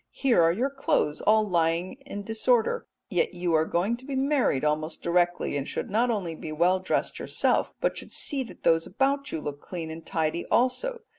Here are your clothes all lying in disorder, yet you are going to be married almost directly, and should not only be well dressed yourself, but should see that those about you look clean and tidy also.